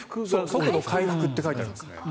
速度回復って書いてますね。